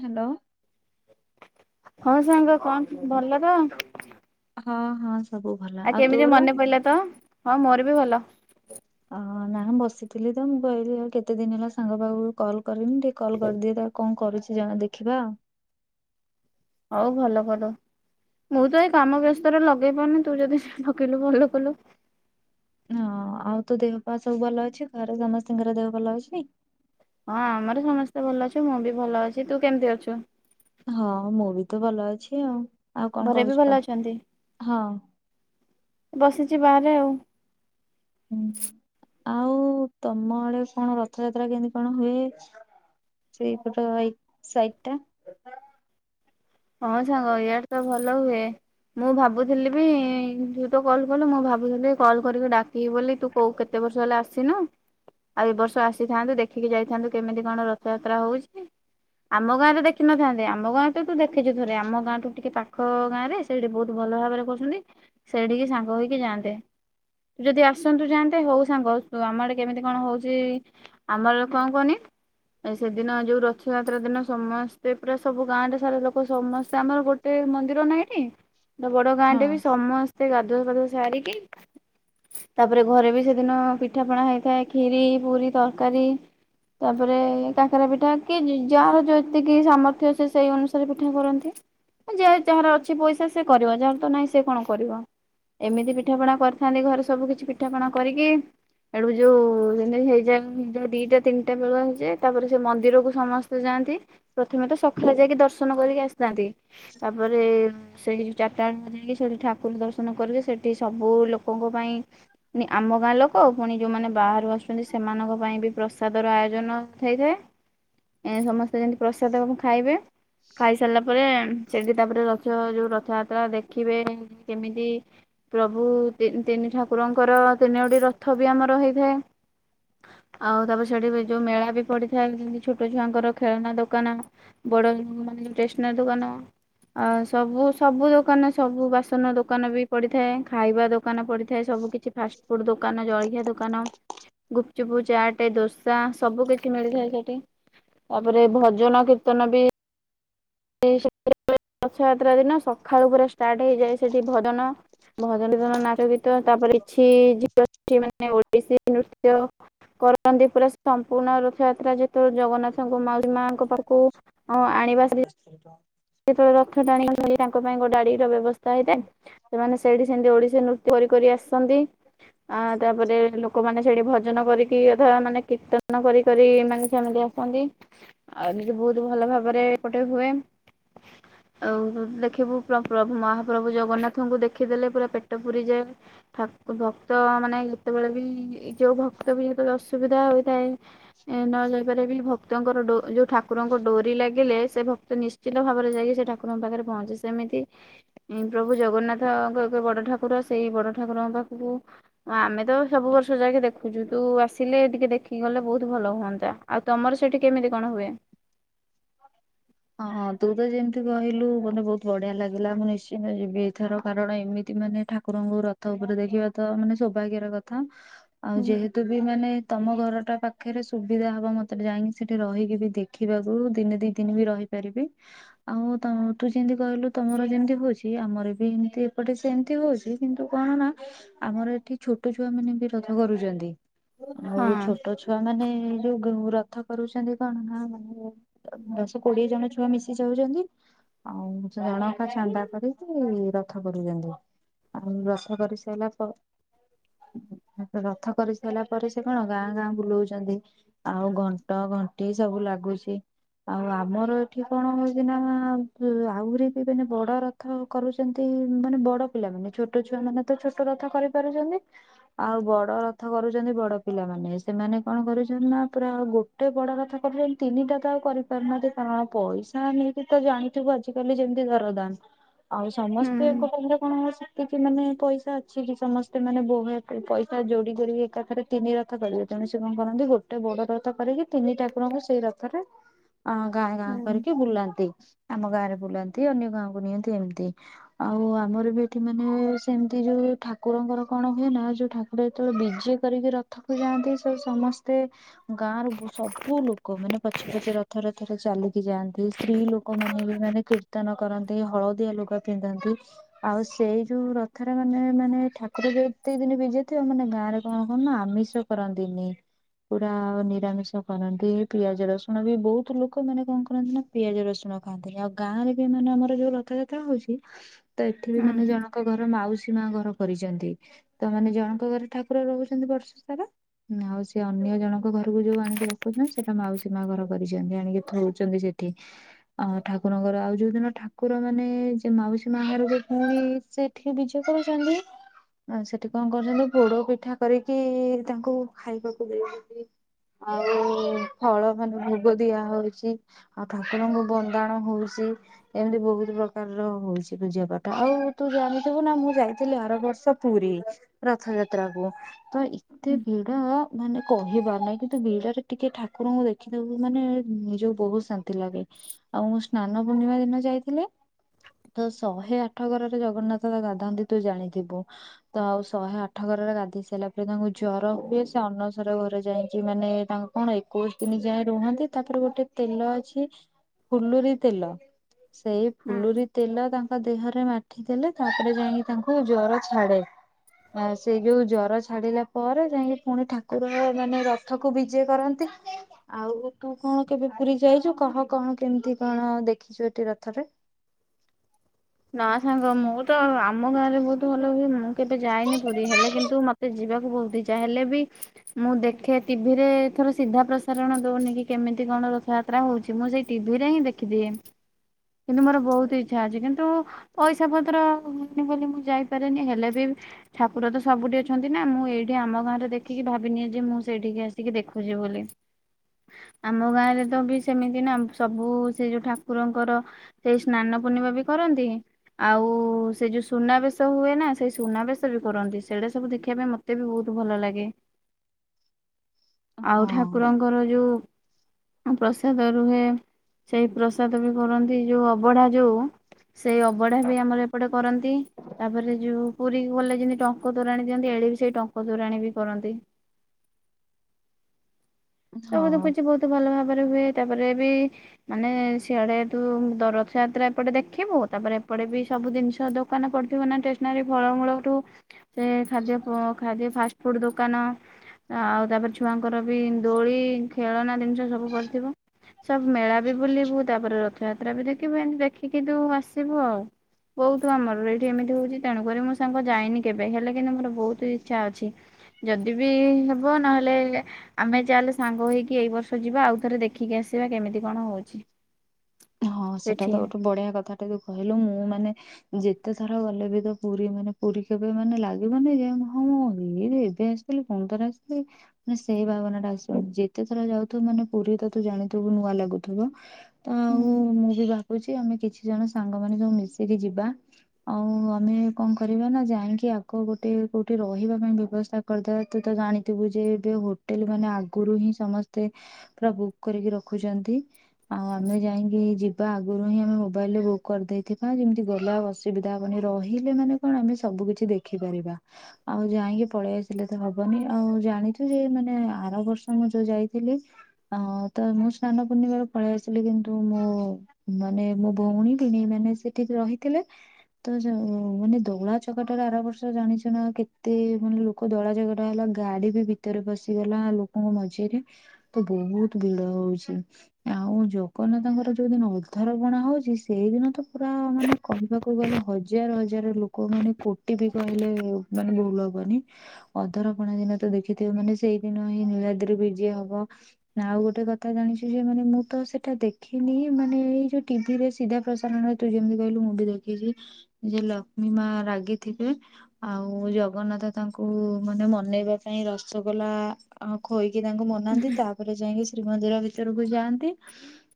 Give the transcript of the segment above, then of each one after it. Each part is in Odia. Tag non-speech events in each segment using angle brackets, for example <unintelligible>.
ହ୍ୟାଲୋ। ହଁ ସାଙ୍ଗ କଣ ଭଲ ତ? ହଁ ହଁ। ସବୁ ଭଲ ଆଉ କେମିତି ତୋର? ମନେ ପଡିଲା ତ ହଁ ମୋର ବି ଭଲ। ହ ନାଁ ବସିଥିଲି ତ ମୁଁ କହିଲି ଆଉ କେତେ ଦିନ ହେଲା ସାଙ୍ଗ ପାଖକୁ କଲ୍ କରିନି ଟିକେ କଲ୍ କରିଦିଏ ତା କଣ କରୁଛି ଜଣେ ଦେଖିବା ଆଉ। ହଉ ଭଲ କଲ। ମୁଁ ତ ଏଇ କାମ ବ୍ୟସ୍ତରେ ଲଗେଇ ପାରୁନି ତୁ ଯଦି ଲଗେ ଇଲୁ ଭଲ କଲୁ। ହଁ ଆଉ ତୋ ଦେହ ପା ସବୁ ଭଲ ଅଛି ଘରେ ସମସ୍ତଙ୍କର ଦେହ ଭଲ ଅଛି? ହଁ ଆମର ସମସ୍ତେ ଭଲ ଅଛ ମୁଁ ବି ଭଲ ଅଛି ତୁ କେମିତି ଅଛୁ? ହଁ ମୁଁ ବି ତ ଭଲ ଅଛି ଆଉ ଆଉ କଣ ଘରେ ବି ଭଲ କହୁଛ ଅଛନ୍ତି? ହଁ। ବସିଛି ବାହାରେ ଆଉ। ହୁଁ। ଆଉ ତମ ଆଡ଼େ କଣ ରଥଯାତ୍ରା କେମିତି କଣ ହୁଏ? ସେଇପଟା ସାଇଟ ଟା ହଁ ସାଙ୍ଗ ଏଇଆଡେ ତ ଭଲ ହୁଏ ମୁଁ ଭାବୁଥିଲି ବି ତ କଲ କଲୁ ମୁଁ ଭାବୁଥିଲି କଲ୍ କରିକି ଡାକିବି ବୋଲି ତୁ କୋଉ କେତେ ବର୍ଷ ହେଲା ଆସିନୁ। ଆଉ ଏ ବର୍ଷ ଆସିଥାନ୍ତୁ ଦେଖିକି ଯାଇଥାନ୍ତୁ କେମିତି କଣ ରଥଯାତ୍ରା ହେଉଛି। ଆମ ଗାଁ ରେ ଦେଖିନଥାନ୍ତେ ଆମ ଗାଁରେ ତ ତୁ ଦେଖିଛୁ ଥରେ ଆମ ଗାଁଠୁ ଟିକେ ପାଖ ଗାଁ ରେ ସେଠି ବହୁତ ଭଲ ଭାବରେ କରୁଛନ୍ତି ସେଠିକି ସାଙ୍ଗ ହେଇକି କି ଯାନ୍ତେ। ତୁ ଯଦି ଆସନ୍ତୁ ଯାଆନ୍ତେ ହଉ ସାଙ୍ଗ ଆମଆଡେ କେମିତି କଣ ହଉଛି ଆମର କଣ କୁହନି ଏ ସେଦିନ ଯୋଉ ରଥଯାତ୍ରା ଦିନ ସମସ୍ତେ ପୁରା ସବୁ ଗାଁ ରେ ସାରା ଲୋକ ସମସ୍ତେ ଆମର ଗୋଟେ ମନ୍ଦିର ନାହିନା ବଡ଼ ଗାଁ ଟେ ବି ହଁ। ସମସ୍ତେ ଗାଧ ଗାଧୁଆ ପାଧୁଆ ସାରିକି ତାପରେ ଘରେ ବି ସେଦିନ ପିଠା ପିଠାପଣା ହେଇଥାଏ ଖୀରି ପୁରୀ ତରକାରୀ ତାପରେ କାକରାପିଠା କି ଯାହାର ଯେତିକି ସାମର୍ଥ୍ୟ ଅଛି ସେ ସେଇ ଅନୁସରେ ପିଠା କରନ୍ତି ଯେ ଯାହାର ଅଛି ପଇସା ସେ କରିବ ଯାହାର ତ ନାହିଁ ସେ କଣ କରିବ। ଏମିତି ପିଠାପଣା କରିଥାନ୍ତି ଘରେ ସବୁକିଛି ପିଠାପଣା କରିକି ଯୋଉ ଯେମିତି ହେଇଯା ଦୁଇଟାଟା ତିନିଟା ବେଳ ହୋଇଯାଏ ତାପରେ ସେ ମନ୍ଦିରକୁ ସମସ୍ତେ ଯାଆନ୍ତି ପ୍ରଥମେ ତ ସକାଳେ ଯାଇକି ଦର୍ଶନ କରିକି ଆସି ନ୍ତି ତାପରେ ସେଇ ଚାରିଟା ବେଳକୁ ଯାଇକି ସେଠି ଠାକୁର ଦର୍ଶନ କରିକି ସେଠି ସବୁ ଲୋକଙ୍କ ପାଇଁ ଆମ ଗାଁ ଲୋକ ପୁଣି ଯୋଉମାନେ ବାହାରୁ ଆସୁଛନ୍ତି ସେମାନଙ୍କ ପାଇଁ ବି ପ୍ରସାଦ ପ୍ରସାଦର ଆୟୋଜନ ହୋଇଥାଏ ଏମିତି ସମସ୍ତେ ଯେମିତି ପ୍ରସାଦ ଖାଇବେ। ଖାଇ ସାରିଲା ପରେ ସେଠି ତାପରେ ରଥ ଯୋଉ ରଥଯାତ୍ରା ଦେଖିବେ କେମିତି ପ୍ରଭୁ ତିନି ଠାକୁରଙ୍କର ତିନି ଗୋଟି ରଥ ବି ଆମର ହୋଇଥାଏ। <inaudible> ଆଉ ତାପରେ ସେଠି ବି ଯୋଉ ମେଳା ପଡିଥାଏ ଛୋଟ ଛୁଆଙ୍କର ଖେଳନା ଦୋକାନ ବଡ଼ ସ୍ଟେନାରି ଦୋକାନ ଆଉଁ ସବୁ ସବୁ ଦୋକାନ ଦୋକାନ ସବୁ ବାସନ ଦୋକାନ ବି ପଡିଥାଏ ଖାଇବା ଦୋକାନ ପଡିଥାଏ ସବୁ କିଛି ଫାଷ୍ଟଫୁଡ ଦୋକାନ ଜଳି ଦୋକାନ ଗୁପଚୁପ ଚାଟ ଦୋସା ସବୁକିଛି ମିଳିଥାଏ ସେଠି। ତାପରେ ଭଜନ କୀର୍ତ୍ତନ ବି। <inaudible> ରଥଯାତ୍ରା ଦିନ ସଖାଳୁ ପୁରା ଷ୍ଟାର୍ଟ ହୋଇଯାଏ ସେଠି ଭଜନ। ଭଜନ କୀର୍ତନ ନାଚଗୀତ ତାପରେ କିଛି ଝିଅ ଝିଅ ମାନେ। ମାନେ ଓଡିଶୀ ନୃତ୍ୟ କରନ୍ତି ପୁରା ସମ୍ପୂର୍ଣ୍ଣ ରଥଯାତ୍ରା ଯ ଯେତେବେଳେ ଜଗନ୍ନାଥଙ୍କ ମାଉସୀମାଙ୍କ ପାଖକୁ ଅ-ଆଣିବା <unintelligible> ଯେତେବେଳେ ରଥ। <unintelligible> ତାଙ୍କ ପାଇଁ ଗୋଟେ ଗାଡ଼ିର ବ୍ୟବସ୍ଥା ହୋଇଥାଏ ସେମାନେ ସେଇଠି ସେମିତି ଓଡିଶୀ ନୃ କରି କରି ଆସନ୍ତି। ଆ ତାପରେ ଲୋକମାନେ ସେଇଠି ଭଜନ କରିକି ଅଧା ମାନେ କୀର୍ତ୍ତନ କରି କରି ମାନେ ସମସ୍ତେ ଆସ ଆସନ୍ତି ଆଉ ଦିଦି ବହୁତୁ ଭଲ ଭାବରେ ଏପଟେ ହୁଏ। <inaudible> ଆଉ ଦେଖିବୁ ପ୍ର-ପ୍ରଭୁ ମହାପ୍ରଭୁ ଜଗନ୍ନାଥଙ୍କୁ ଦେଖିଦେଲେ ପୁରା ପେଟ ପୁରିଯାଏ ଠା ଭକ୍ତ ମାନେ ଯେତେବେଳେ ବି ଯୋଉ ଭକ୍ତ ବି ଯେତେବେଳେ ଅସୁବିଧା ହୋଇଥାଏ। ଏଁ ନ ଯାଇପାରେ ବି ଭକ୍ତଙ୍କର ଡୋ ଯୋଉ ଠାକୁରଙ୍କ ଡୋରି ଲାଗିଲେ। ସେ ଭକ୍ତ ନିଶ୍ଚିତ ଭାବରେ ଯାଇକି ସେ ଠାକୁରଙ୍କ ପାଖରେ ପହଞ୍ଚେ ସେମିତି ଉଁ ପ୍ରଭୁ ଜଗନ୍ନାଥଙ୍କ। ବଡ ଠାକୁର ସେଇ ବଡ ଠାକୁରଙ୍କ ପାଖକୁ ଆମେ ତ ସବୁ ବ ଯାଇକି ଦେଖୁଛୁ ତୁ ଆସିଲେ ଟିକେ ଦେଖି ଗଲେ ବହୁତ ଭଲ ହୁଅନ୍ତା ଆଉ ତମର ସେଠି କେମିତି କଣ ହୁଏ? ହଁ ହଁ ତୁ ତ ଯେମିତି କହିଲୁ ମତେ ବହୁତ ବଢିଆ ଲାଗିଲା ମୁଁ ନିଶ୍ଚିନ୍ତ ଯିବି ଏଥର କାରଣ ଏମିତି। ମାନେ ଠାକୁରଙ୍କୁ ରଥ ଉପରେ ଦେଖିବା ତ ମାନେ ସୌଭାଗ୍ୟର କଥା। ଆଉ ହୁଁ ଯେହେତୁ ବି ମାନେ ତମ ଘର। ଟା ପାଖରେ ସୁବିଧା ହବ ମତେ ଯାଇଁକି ସେଠି ରହିକି ବି ଦେଖିବାକୁ ଦିନେ ଦି ଦିନ ବି ରହି ପାରିବି ଆଉ ତ ତୁ ଯେମିତି କହିଲୁ ତମର ଯେମିତି ହଉଛି ଆମର ବି ଏମିତି ଏପଟେ ସେମିତି। ହଉଛି କିନ୍ତୁ କଣ ନା ଆମର ଏଠି ଛୋଟ ଛୁଆ ମାନେ ବି ରଥ କରୁଛନ୍ତି। ହଁ ଆଉ ଛୋଟ ଛୁଆ ମାନେ ଏଇ ଯୋଉ ଗୁ ରଥ କରୁଛନ୍ତି କଣ ନା ମାନେ ଦଶ କୋଡିଏ ଜଣ ଛୁଆ ମିଶି ଯାଉଛନ୍ତି। ଆଉ ସେ ଜଣକା ଚାନ୍ଦା କରିକି ରଥ କରୁଛନ୍ତି। ଆଉ ରଥା କରି ସାରିଲା ପ ରଥ କରି ସାରିଲା ପରେ ସେ କଣ ଗାଁ ଗାଁ ବୁଲଉଛନ୍ତି ଆଉ ଘଣ୍ଟ। ଘଣ୍ଟି ସବୁ ଲାଗୁଛି ଆଉ ଆ ଆମର ଏଠି କଣ ହଉଛି ନା କଣ ବ ଆହୁରି ବି ମାନେ ବଡ ରଥ କରୁଛନ୍ତି ମାନେ ବ ବଡ ପିଲାମାନେ ଛୋଟ ଛୁଆ ମାନେ ତ ଛୋଟ ରଥ କରି ପାରୁଛନ୍ତି ଆଉ ବଡ ରଥ କରୁଛନ୍ତି ବଡ। ପିଲାମାନେ ସେମାନେ କଣ କରୁଛନ୍ତି ନା ପୁରା ଆଉ ଗୋଟେ ବଡ ରଥ କରୁଛନ୍ତି ତିନିଟା ତ ଆଉ କରିପାରୁନାହାନ୍ତି। କାରଣ ପଇସା ନେଇକି ତ ଜାଣିଥିବୁ ଆଜିିକାଲି ଯେମତି ଦରଦାନ। ଆଉ ହୁଁ ସମସ୍ତେଙ୍କ ପାଖରେ କଣ ଅଛି। କି କି ମାନେ ପଇସା ଅଛି କି ସମସ୍ତେ ମାନେ ବୋ ଏତେ ପଇସା ଯୋଡି କରିକି ଏକାଥରେ ତିନି ରଥ କରିବେ। ତେଣୁ ସେ କରନ୍ତି ଗୋଟେ ବଡ ରଥ କରିକି ତିନି ଠାକୁରଙ୍କୁ ସେଇ ରଥରେ ଅ ଗାଁ ଗାଁ ହୁଁ କରିକି ବୁଲାନ୍ତି। ଆମ ଗାଁ ରେ ବୁଲାନ୍ତି ଅନ୍ୟ ଗାଁ କୁ ନିଅନ୍ତି ଏମିତି ଆଉ ଆମର ବି ଏଠି ମାନେ ସେମିତି ଯୋଉ। ଇ ଠାକୁରଙ୍କର କଣ ହୁଏନା ଯୋଉ ଠାକୁର ଯେତେବେଳେ ବିଜେ କରିକି ରଥକୁ ଯାଆନ୍ତି ସବୁ ସମସ୍ତେ। ଗାଁ ର ବ ସବୁ ଲୋକ ମାନେ ପଛେ ପଛେ ରଥର। ରେ ଚାଲିକି ଯାଆନ୍ତି ସ୍ତ୍ରୀ ଲୋକ ମାନେ ବି ମାନେ କୀର୍ତ୍ତନ କରନ୍ତି ହଳଦିଆ ଲୁଗା ପିନ୍ଧନ୍ତି। ଆଉ ସେଇ ଯୋଉ ରଥରେ ମାନେ ମାନେ ଠାକୁର ଯେତିକି ଦିନି ବିଜେ ଥିବେ ମାନେ ଗାଁ ରେ କଣ କ ନା। ଆମିଷ କରନ୍ତିନି ପୁରା ନିରାମିଷ କରନ୍ତି ପିଆଜ ରସୁଣ ବି ବହୁତ ଲୋ ଲୋକ ମାନେ କଣ କରନ୍ତି ନା ପିଆଜ ରସୁଣ ଖାଆନ୍ତିନି ଆଉ ଗାଁ ରେ ବି ମାନେ ଆମର ଯୋଉ ରଥଯାତ୍ରା ହଉଛି। ତ ଏଠି ବି ହୁଁ ମାନେ ହୁଁ ଜଣଙ୍କ ଘର ମାଉସି। ମା ଘର କରିଛନ୍ତି ତ ମାନେ ଜଣଙ୍କ ଘରେ ଠାକୁର ରହୁଛନ୍ତି ବର୍ଷ ସାରା। ଆଉ ସେ ଅନ୍ୟ ଜଣଙ୍କ ଘରକୁ ଯୋଉ ଆଣିକି ରଖୁଛନ୍ତି ସେଇଟା ମାଉସୀ ମା ଘର କରିଛନ୍ତି ଆଣିକି। ଥୋଉଛନ୍ତି ସେଠି ଆଉ ଠାକୁରଙ୍କର ଆଉ ଯୋଉଦିନ ଠାକୁର ମାନେ ଯେ ମାଉସୀମା ଘରକୁ ପୁଣି ସେଠି ବିଜେ କରୁଛନ୍ତି। ଆଉ ସେଠି କଁ କରୁଚନ୍ତି ପୋଡ଼ ପିଠା କରିକି ତାଙ୍କୁ ଖାଇବାକୁ ଦେଇକି ଆଉ ଫଳ ମାନେ ଭୋଗ ଦିଆ ହଉଚି। ଇ ଆଉ ଠାକୁରଙ୍କୁ ବନ୍ଦାଣ ହଉଚି ଏମତି ବୋହୁତ ପ୍ରକାରର ହଉଚି ପୂଜା ପାଠ। ଆଉ ତୁ ଜାଣିଥିବୁ ନାଁ ମୁଁ ଯାଇଥିଲି ଆର ବର୍ଷ ପୁରୀ ରଥଯାତ୍ରାକୁ। ତ ଏତେ ଭିଡ଼ ମାନେ କହିବାର ନାହିଁ କିନ୍ତୁ ବିଡ଼ାରେ ଟିକେ ଠାକୁରଙ୍କୁ ଦେଖିଦବୁ ମାନେ ଯୋଉ ବୋହୁତ ଶାନ୍ତି ଲାଗେ ଆଉ ମୁଁ ସ୍ନାନ ପୂର୍ଣ୍ଣିମା ଦିନ ଯାଇଥିଲି। ତ ଶହେ ଆଠ ଗରାରେ ଜଗନ୍ନାଥ ଯା ଗାଧାନ୍ତି ତୁ ଜାଣିଥିବୁ ତ ଆଉ ଶହେ ଆଠ ଗ ତର ଗାଧେଇ ସାଇଲା ପରେ ତାଙ୍କୁ ଜର ହୁଏ ସେ ଅନସର ଘରେ ଯାଇଁକି ମାନେ ତା କଣ ଏକୋଉଶ ତିନି ଯାଏଁ ରୁହନ୍ତି ତାପରେ ଗୋଟେ ତେଲ ଅଛି ଫୁଲୁରି ତେଲ ସେଇ ହୁଁ। ଫୁଲୁରି ତେଲ ତା ଅ ଦେହରେ ମାଠି ଦେଲେ ତାପରେ ଯାଇଁକି ତାଙ୍କୁ ଜର ଛାଡ଼େ। ଆ ସେ ଯୋଉ ଜର ଛାଡ଼ିଲା ପରେ ଯାଇଁକି ପୁଣି ଠାକୁର ମାନେ ରଥକୁ ବିଜେ କରନ୍ତି। ଆଉ ତୁ କଣ କେବେ ପୁରୀ ଯାଇଚୁ କହ କଣ କେମତି କଣ ଦେଖିଚୁ ଏଠି ରଥରେ? ନାଁ ସାଙ୍ଗ ମୁଁ ତ ଆମ ଗାଁରେ ବୋହୁତ ଭଲ ହୁଏ ମୁଁ କେବେ ଯାଇନି ପୁରୀ ହେଲେ କିନ୍ତୁ ମତେ ଯିବାକୁ ବୋହୁତ ଇଚ୍ଛା ହେଲେ ବି ମୁଁ ଦେଖେ ଟି ଭି ରେ ଥର ସିଧା ପ୍ରସାରଣ ଦୋଉନି କି କେମିତି କଣ ରଥଯାତ୍ରା ହୋଉଚି ମୁଁ ସେଇ ଟି ଭି ରେ ହିଁ ଦେଖିଦିଏ। ହଁ କିନ୍ତୁ ମୋର ବୋହୁତ ଇଚ୍ଛା ଅଛି କିନ୍ତୁ ପଇସା ପତ୍ର ହୋଉନି ବୋଲି ମୁଁ ଯାଇପାରେନି ହେଲେ ବି ଠାକୁର ତ ସବୁଠି ଅଛନ୍ତି ନାଁ ମୁଁ ମୁଁ ଏଇଠି ଆମ ଗାଁରେ ଦେଖିକି ଭାବିନିଏ ଯେ ମୁଁ ସେଇଠିକି ଆସିକି ଦେଖୁଚି ବୋଲି। ଆମ ଗାଁରେ ତ ବି ସେମିତି ନାଁ ସବୁ ସେ ଯୋଉ ଠାକୁରଙ୍କର ସେଇ ସ୍ନାନ ପୂର୍ଣ୍ଣିମା ବି କରନ୍ତି। ଆଉ ସେ ଯୋଉ ସୁନାବେଶ ହୁଏ ନାଁ ସେଇ ସୁନାବେଶ ବି କରନ୍ତି ସେଇଡ଼ା ସବୁ ଦେଖିବା ପାଇଁ ମତେ ବି ବୋହୁ ତୁ ଭଲ ଲାଗେ ଆଉ ହଁ। ଠାକୁରଙ୍କର ଯୋଉ ପ୍ରସାଦ ରୁହେ ସେଇ ପ୍ରସାଦ ବି କରନ୍ତି ଯୋଉ ଅବଢ଼ା ଯୋଉ ସେଇ ଅବଢ଼ା ବି ଆମର ଏପଟେ କରନ୍ତି ତାପରେ ଯୋଉ ପୁରୀକୁ ଗଲେ ଯେମିତି ଟଙ୍କ ତୋରାଣି ଦିଅନ୍ତି ଇଆଡ଼େ ବି ସେଇ ଟଙ୍କ ତୋରାଣି ବି କରନ୍ତି। <inaudible> ସବୁ ହଁ ଦେଖୁଚି ବୋହୁତ ଭଲ ଭାବରେ ହୁଏ। ତାପରେ ବି ମାନେ ସିଆଡ଼େ ତୁ ଦ ରଥ ଯାତ୍ରା ଏପଟେ ଦେଖିବୁ ତାପରେ ଏପଟେ ବି ସବୁ ଦିନିଷ ଦୋକାନ ପଡ଼ିଥିବ ନାଁ ଟେସନାରୀ ଫଳମୂଳଠୁ ସେ ଖାଦ୍ୟ ପ ଖାଦ୍ୟ ଫାଷ୍ଟ୍ ଫୁଡ଼୍ ଦୋକାନ ଆଉ ତାପରେ ଛୁଆଙ୍କର ବି ଦୋଳି ଖେଳନା ଦିନିଷ ସବୁ ପଡ଼ିଥିବ। ସବୁ ମେଳା ବି ବୁଲିବୁ ତାପରେ ରଥଯାତ୍ରା ବି ଦେଖିବୁ ଏମତି ଦେଖିକି ତୁ ଆସିବୁ ଆଉ। ବୋହୁତ ଆମର ଏଇଠି ଏମିତି ହୋଉଚି ତେଣୁ କରି ମୁଁ ସାଙ୍ଗ ଯାଇନି କେବେ ହେଲେ କିନ୍ତୁ ମୋର ବୋହୁତ ଇଚ୍ଛା ଅଛି। ଯଦି ବି ହେବ ନହେଲେ ଆମେ ଚାହେଲେ ସାଙ୍ଗ ହେଇକି ଏଇ ବର୍ଷ ଯିବା ଆଉ ଥରେ ଦେଖିକି ଆସିବା କେମିତି କଣ ହଉଚି। ହଁ ସେଟା ତ ଗୋଟେ ବଢ଼ିଆ କଥାଟେ ବି କହିଲୁ ମୁଁ ମାନେ ଯେ ତେ ଥର ଗଲେ ବି ତ ପୁରୀ ମାନେ ପୁରୀ କେବେ ମାନେ ଲାଗିବନି ଯେ ହଁ ମୁଁ ଏଇ ଏବେ ଆସିଥିଲି କଁ <unintelligible> ନାଁ ସେଇ ଭାବନାଟା ଆସିବ ଯେତେ ଥର ଯାଉଥୁବୁ ମାନେ ପୁରୀ ତତେ ଜାଣିଥିବୁ ନୂଆ ଲାଗୁ ତୁ ତ ହୁଁ ମୁଁ ବି ଭାବୁଚି ଆମେ କିଛି ଜଣ ସାଙ୍ଗମାନେ ସବୁ ମିଶିକି ଯିବା ଆଉ ଆମେ କଁ କରିବା ନାଁ ଯାଇଁକି ଆଗ ଗୋଟେ ଏ କୋଉଠି ରହିବା ପାଇଁ ବ୍ୟବସ୍ଥା କରିଦବା ତୁ ତ ଜାଣିଥିବୁ ଯେ ଏବେ ହୋଟେଲ୍ ମାନେ ଆଗୁରୁ ହିଁ ସମସ୍ତେ ପୁରା ବୁକ୍ କରିକି ରଖୁଚନ୍ତି ଆଉ ଆ ଆମେ ଯାଇଁକି ଯିବା ଆଗୁରୁ ହିଁ ଆମେ ମୋବାଇଲ୍ ରେ ବୁକ୍ କରିଦେଇଥିବା ଯେମତି ଗଲେ ଆଉ ଅସୁବିଧା ହବନି ରହି ଲେ ମାନେ କଣ ଆମେ ସବୁ କିିଛି ଦେଖିପାରିବା ଆଉ ଯାଇଁକି ପଳିଆସିଲେ ତ ହବନି ଆଉ ଜାଣି ଯେ ମାନେ ଆର ବର୍ଷ ମୁଁ ଯୋଉ ଯାଇଥିଲି ଅ ତ ମୁଁ ସ୍ନାନ ପୂର୍ଣ୍ଣିମାରେ ପଳିଆ ସିଲି କିନ୍ତୁ ମୋ ମାନେ ମୋ ଭଉଣୀ ଭିଣେଇ ମାନେ ସେ ଠିକ୍ ରହିଥିଲେ। ତ ଯ ମାନେ ଦଳା ଚକଟାରେ ଆର ବର୍ଷ ଜାଣିଛ ନା କେତେ ମାନେ ଲୋକ ଦଳା ଚକଟା ହେଲା ଗାଡି ବି ଭିତରେ ପସିଗଲା ଲୋକଙ୍କ ମଝିରେ ତ ବହୁତୁ ଭିଡ ହଉଛି ଆଉ ଜଗନ୍ନାଥଙ୍କର ଯୋଉ ଦିନ ଅଧାରପଣ ହଉଛି ସେଇଦିନ ତ ପୁରା ମାନେ କହିବାକୁ ଗଲେ ହଜାର ହଜାର ଲୋକ ମାନେ କୋଟି ବି କହିଲେ ମାନେ ଭୁଲ ହବନି ଅଧରପଣା ଦିନ ତ ଦେଖି ମାନେ ସେଇଦିନ ହିଁ ନୀଳାଦ୍ରି ବିଜେ ହବ ଆଉ ଗୋଟେ କଥା ଜାଣିଛି ଯେ ମାନେ ମୁଁ ତ ସେ ଟା ଦେଖିନି ମାନେ ଏଇ ଯୋଉ ଟିଭିରେ ସିଧା ପ୍ରସାରଣରେ ତୁ ଯେମିତି କହିଲୁ ମୁଁ ବି ଦେଖେଇଛି। ଯେ ଲକ୍ଷ୍ମୀ ମା ରାଗିଥିବେ ଆଉ ଜଗନ୍ନାଥ ତାଙ୍କୁ ମାନେ ମନେଇବା ପାଇଁ ର ରସଗୋଲା ଖୋଇକି ତାଙ୍କୁ ମନାନ୍ତି ତାପରେ ଯାଇକି ଶ୍ରୀମନ୍ଦିର ଭିତରକୁ ଯାଆନ୍ତି।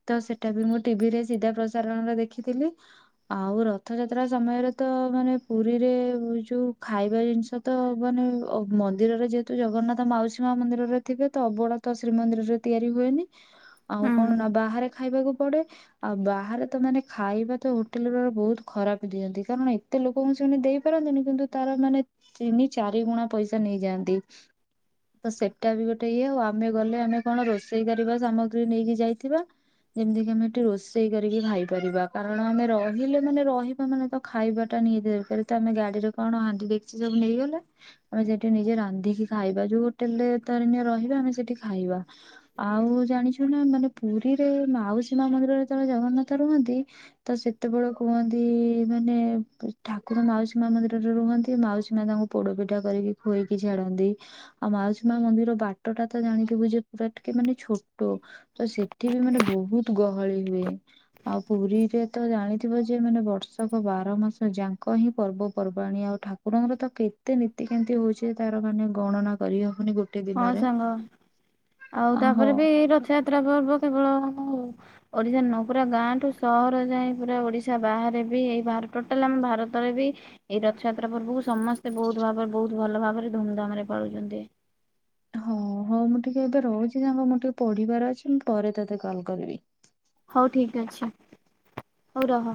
ହଁ ତ ସେଟା ବି ମୁଁ ଟିଭିରେ ସିଧା ପ୍ରସାରଣରେ ଦେଖିଥିଲି ଆଉ ରଥଯାତ୍ରା ସମୟରେ ତ ମାନେ ପୁରୀରେ ଯୋଉ ଖାଇବା ଜିନିଷ ତ ମାନେ ମନ୍ଦିରରେ ଯେହେତୁ ଜଗନ୍ନାଥ ମାଉସୀ ମା ମନ୍ଦିରରେ ଥିବେ ତ ଅବଢ଼ା ତ ଶ୍ରୀମନ୍ଦିରରେ ତିଆରି ହୁଏନି ଆଉ ହୁଁ କଣ ନା ବାହାରେ ଖାଇବାକୁ ପଡେ ଆଉ ବାହାରେ ତ ମାନେ ଖାଇବା ତ ହୋଟେଲ ର ବହୁତ ଖରାପ ଦି ଦିଅନ୍ତି କାରଣ ଏତେ ଲୋକଙ୍କୁ ସେମାନେ ଦେଇପାରନ୍ତିନି କିନ୍ତୁ ତାର ମାନେ ତିନି ଚାରି ଗୁଣା ପଇସା ନେଇଯାଆନ୍ତି। ତ ସେଇଟା ବି ଗୋଟେ ଇଏ ଆଉ ଆମେ ଗଲେ ଆମେ କଣ ରୋଷେଇ କରିବା ସାମଗ୍ରୀ ନେଇକି ଯାଇ ଥିବା। ଯେମିତି କିି ଆମେ ଏଠି ରୋଷେଇ କରିକି ଖାଇପାରିବା କାରଣ ଆମେ ରହିଲେ ମାନେ ରହିବା ମାନେ ତ ଖାଇବାଟା ନି ଦେ ଆମେ ଗାଡିରେ କଣ ହାଣ୍ଡି ଡେକିଚି ସବୁ ନେଇଗଲା ଆମେ ସେଠି ନିଜେ ରାନ୍ଧିକି ଖାଇବା ଯୁ ହୋଟେଲରେ ତରିନିଆ ରହିବା ଆମେ ସେଠି ଖାଇବା ଆଉ ଜାଣିଛୁ ନା ମାନେ ପୁରୀରେ ମାଉସୀ ମା ମନ୍ଦିରରେ ଯେତବେଳେ ଜଗନ୍ନାଥ ରୁହନ୍ତି ତ ସେତେବେଳେ କୁହନ୍ତି ମାନେ ଠାକୁର ମାଉସୀ ମା ମନ୍ଦିରରେ ରୁହନ୍ତି ମାଉସୀ ମା ତାଙ୍କୁ ପୋଡ ପିଠା କରିକି ଖୁଏଇକି ଛାଡନ୍ତି। ଦି ଆଉ ମାଉସୀ ମା ମନ୍ଦିରର ବାଟ ଟା ତ ଜାଣିଥିବୁ ଯେ ପୁରା ଟିକେ ମାନେ ଛୋଟ ତ ସେଠି ବି ମାନେ ବହୁତ ଗହଳି ହୁଏ ଆଉ ପୁରୀରେ ତ ଜାଣିଥିବ ଯେ ମାନେ ବର୍ଷା ବର୍ଷକ ବାର ମାସ ଯାକ ହିଁ ପର୍ବପର୍ବାଣୀ ଆଉ ଠାକୁରଙ୍କର ତ କେତେ ନୀତିକାନ୍ତି ହଉଛି ତାର ମାନେ ଗଣନା କରିହବ ହଁ ସାଙ୍ଗ ଆଉ ଅ ତାପରେ ହଉ ବି ରଥଯାତ ତ୍ରା ପର୍ବ କେବଳ ଓଡିଶା ନୁହଁ ପୁରା ଗାଁଠୁ ସହର ଯାଏ ପୁରା ଓଡିଶା ବାହାରେ ବି ଏହି ଭାର ଟୋଟାଲ ଆମ ଭାରତରେ ବି ଏଇ ରଥଯାତ୍ରା ପର୍ବକୁ ସମସ୍ତେ ବହୁତ ଭାବରେ ବହୁତ ଭଲ ଭାବରେ ଧୁମ୍ ଧାମ ରେ ପାଳୁଛନ୍ତି। ହଁ ହଉ ମୁଁ ଟିକେ ଏବେ ରହୁଛି ତାଙ୍କ ମୁଁର ଟିକେ ପଢିବାର ଅଛି ମୁଁ ପରେ ତତେ କଲ୍ କରିବି। ହଉ ଠିକ ଅଛି ହଉ ରହ।